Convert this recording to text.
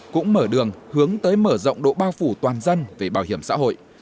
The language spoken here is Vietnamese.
cũng mở đường hướng tới mở rộng độ bao phủ toàn dân về bảo hiểm xã hội